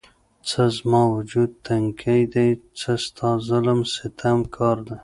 څه زما وجود تنکی دی، څه ستا ظلم ستم کار دی